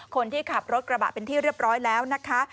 คนที่ขับรถกระบะเป็นที่เรียบร้อยแล้วนะคะ